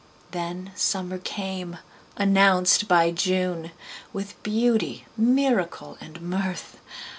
Then summer came, announced by June, With beauty, miracle and mirth.